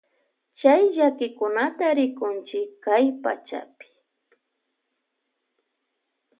Chay llakikunata rikunchi kay pachapi.